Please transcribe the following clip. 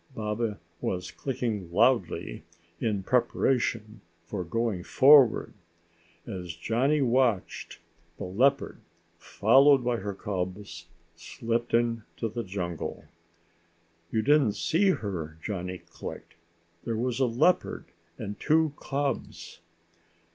Baba was clicking loudly in preparation for going forward. As Johnny watched, the leopard, followed by her cubs, slipped into the jungle. "You didn't see her," Johnny clicked. "There was a leopardess and two cubs."